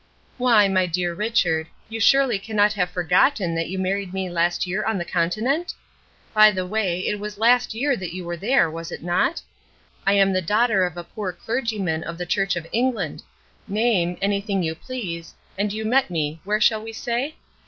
"Why, my dear Richard, you surely cannot have forgotten that you married me last year on the Continent? By the way, it was last year that you were there, was it not? I am the daughter of a poor clergyman of the Church of England; name anything you please and you met me where shall we say?